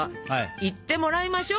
いってもらいましょう。